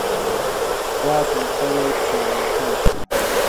رات مُخہ وے چُڑوڑا ݜاتوۡ ہِنوۡ